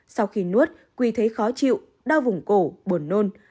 sau khi nuốt quy thấy khó chịu đau vùng cổ buồn nôn